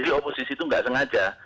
jadi oposisi itu tidak sengaja